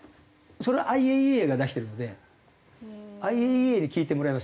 それはＩＡＥＡが出してるのでＩＡＥＡに聞いてもらえませんか？